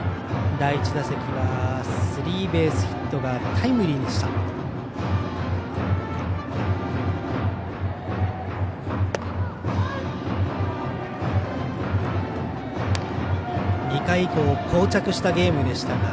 第１打席はスリーベースヒットがタイムリーでした。